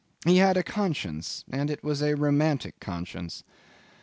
He had a conscience, and it was a romantic conscience.